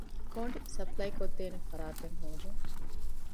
ގޮނޑި ސަޕްލައިކޮށްދޭނެ ފަރާތެއް ހޯދުން